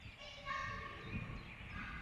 阿姆斯特丹的防线被列为世界文化遗产。